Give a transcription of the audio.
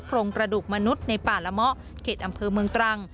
โครงกระดูกมนุษย์ในป่าละเมาะเขตอำเภอเมืองตรัง